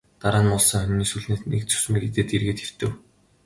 Дараа нь муулсан хонины сүүлнээс нэг зүсмийг идээд эргээд хэвтэв.